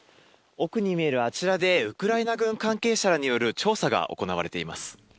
奥に見えるあちらでウクライナ軍関係者らによる調査が行われています。